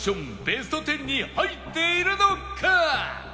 ベスト１０に入っているのか？